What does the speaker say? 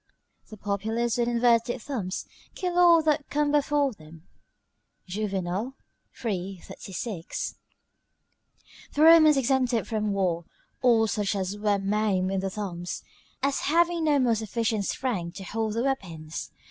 ["The populace, with inverted thumbs, kill all that come before them." Juvenal, iii. 36] The Romans exempted from war all such as were maimed in the thumbs, as having no more sufficient strength to hold their weapons.